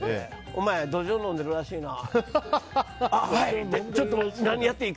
お前、ドジョウ飲んでるらしいな。